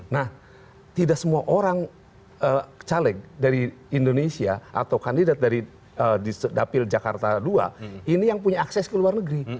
nah tidak semua orang caleg dari indonesia atau kandidat dari di dapil jakarta ii ini yang punya akses ke luar negeri